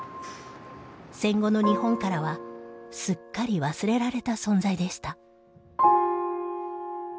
戦後の日本からはすっかり忘れられた存在でした。